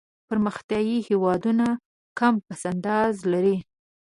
پرمختیایي هېوادونه کم پس انداز لري.